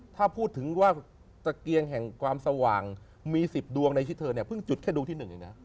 ถ้าพูดถึงว่าตะเกียงแห่งความสว่างมี๑๐ดวงในชิดเธอพึ่งจุดแค่ดูที่๑อย่างนั้น